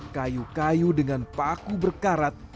kayu kayu dengan paku berkarat